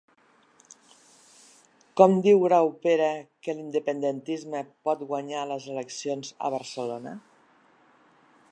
Com diu Graupera que l'independentisme pot guanyar les eleccions a Barcelona?